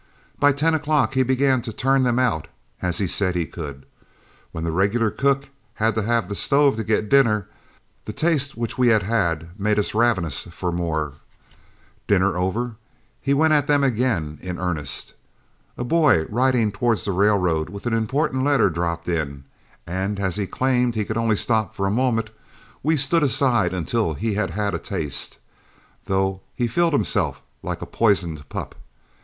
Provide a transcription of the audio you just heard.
By ten o'clock he began to turn them out as he said he could. When the regular cook had to have the stove to get dinner, the taste which we had had made us ravenous for more. Dinner over, he went at them again in earnest. A boy riding towards the railroad with an important letter dropped in, and as he claimed he could only stop for a moment, we stood aside until he had had a taste, though he filled himself like a poisoned pup.